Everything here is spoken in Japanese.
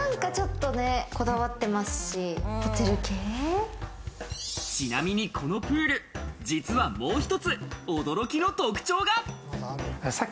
こだわってますし、ちなみにこのプール、もう一つ驚きの特徴が。